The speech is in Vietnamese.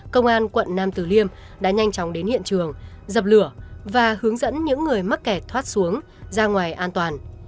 công an quận nam tử liêm đã nhanh chóng đến hiện trường dập lửa và hướng dẫn những người mắc kẹt thoát xuống ra ngoài an toàn